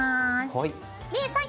はい。